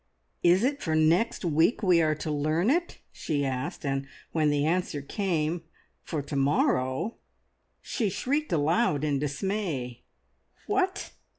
"Is it for next week we are to learn it?" she asked, and when the answer came, "For to morrow," she shrieked aloud in dismay. "What!